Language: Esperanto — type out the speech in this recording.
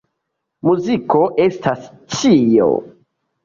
Muziko estas ĉio.